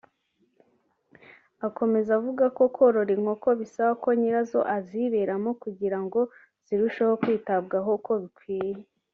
Akomeza avuga ko korora inkoko bisaba ko nyirazo aziberamo kugirango zirusheho kwitabwaho uko bikwiye